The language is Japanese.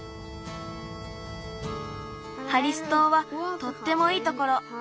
ハリスとうはとってもいいところ。